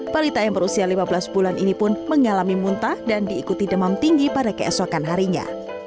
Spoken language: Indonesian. balita yang berusia lima belas bulan ini pun mengalami muntah dan diikuti demam tinggi pada keesokan harinya